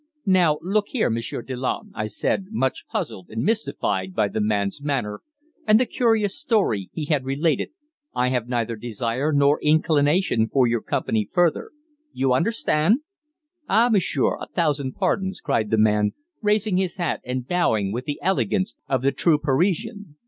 "Now look here, Monsieur Delanne," I said, much puzzled and mystified by the man's manner and the curious story he had related, "I have neither desire nor inclination for your company further. You understand?" "Ah, monsieur, a thousand pardons," cried the man, raising his hat and bowing with the elegance of the true Parisian.